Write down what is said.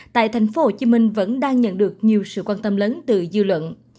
tại tp hcm vẫn đang nhận được nhiều sự quan tâm lớn từ dư luận